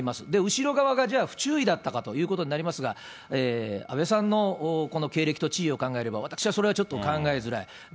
後ろ側が、じゃあ、不注意だったかということになりますが、安倍さんのこの経歴と地位を考えれば、私はそれはちょっと考えづらい。